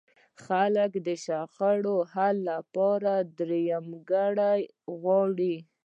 خلک د شخړو حل لپاره درېیمګړی غواړي.